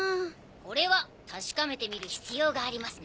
これは確かめてみる必要がありますね。